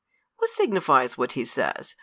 What signifies what he says ?